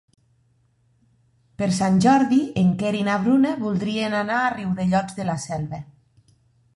Per Sant Jordi en Quer i na Bruna voldrien anar a Riudellots de la Selva.